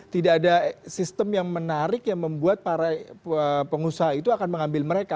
tidak ada sistem yang menarik yang membuat para pengusaha itu akan mengambil mereka